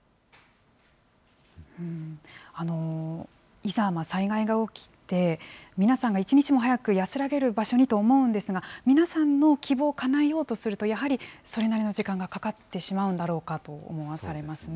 いざ災害が起きて、皆さんが一日も早く安らげる場所にと思うんですが、皆さんの希望をかなえようとすると、やはりそれなりの時間がかかってしまうんだろうかと思わされますね。